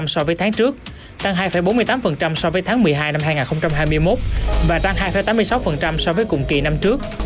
so với tháng trước tăng hai bốn mươi tám so với tháng một mươi hai năm hai nghìn hai mươi một và tăng hai tám mươi sáu so với cùng kỳ năm trước